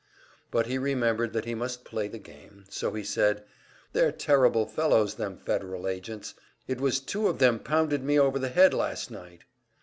But he remembered that he must play the game, so he said, "They're terrible fellows, them Federal agents. It was two of them pounded me over the head last night."